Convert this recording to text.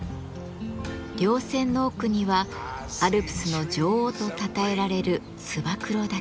稜線の奥にはアルプスの女王とたたえられる燕岳。